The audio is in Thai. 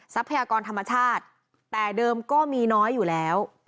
พยากรธรรมชาติแต่เดิมก็มีน้อยอยู่แล้ว